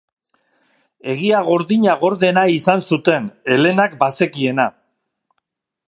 Egia gordina gorde nahi izan zuten, Helenak bazekiena.